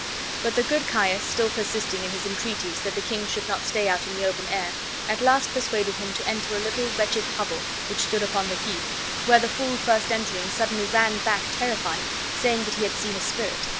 But the good Caius still persisting in his entreaties that the king would not stay out in the open air, at last persuaded him to enter a little wretched hovel which stood upon the heath, where the fool first entering, suddenly ran back terrified, saying that he had seen a spirit.